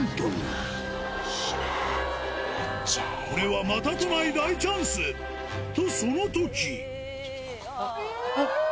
これはまたとない大チャンスとそのときあっ！